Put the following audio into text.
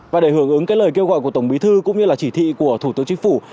và để hưởng ứng cái lời kêu gọi của tổng bí thư cũng như là chỉ thị của thủ tướng chính phủ